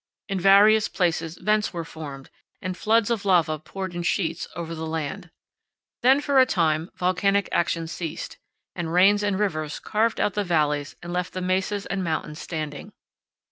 In various places vents were formed and floods of lava poured in sheets over the land. Then for a time volcanic action ceased, and rains and rivers carved out the valleys and left the mesas and mountains standing.